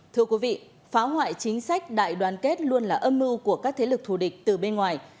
thưa quý vị phá hoại chính sách đại đoàn kết luôn là âm mưu của các thế lực thù địch từ bên ngoài